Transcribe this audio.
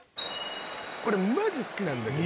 これマジ好きなんだけど。